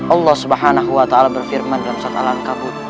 allah swt berfirman dalam sholat al anqabur